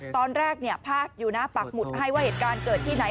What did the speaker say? ตอนแรกเนี่ยภาคอยู่นะปักหมุดให้ว่าเหตุการณ์เกิดที่ไหน